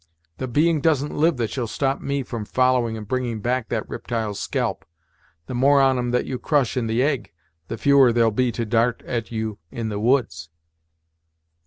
"The being doesn't live that shall stop me from following and bringing back that riptyle's scalp. The more on 'em that you crush in the egg, the fewer there'll be to dart at you in the woods!"